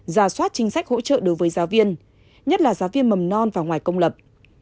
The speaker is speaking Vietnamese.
ra soát chính sách hỗ trợ đối với giáo viên nhất là giáo viên mầm non và ngoài công lập